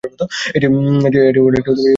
এটি অনেকটা ইউরেনাস গ্রহের মতো।